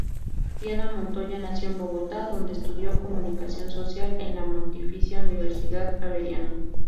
Diana Montoya nació en Bogotá, donde estudió Comunicación Social en la Pontificia Universidad Javeriana.